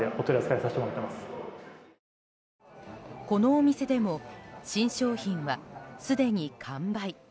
このお店でも新商品はすでに完売。